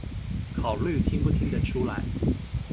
考慮聽不聽得出來